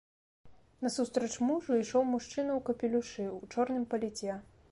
Насустрач мужу ішоў мужчына ў капелюшы, у чорным паліце.